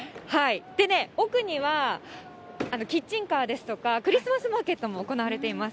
奥にはキッチンカーですとか、クリスマスマーケットも行われています。